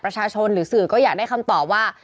ประชาชนหรือสื่อก็อยากได้คำตอบว่า